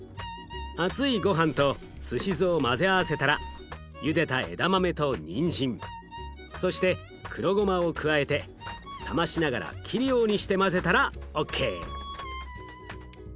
熱いごはんとすし酢を混ぜ合わせたらゆでた枝豆とにんじんそして黒ごまを加えて冷ましながら切るようにして混ぜたらＯＫ。